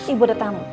ibu ada tamu